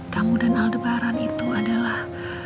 kamu dan aldebaran itu adalah